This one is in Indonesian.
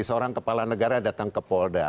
seorang kepala negara datang ke polda